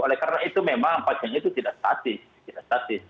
oleh karena itu memang panjangnya itu tidak statis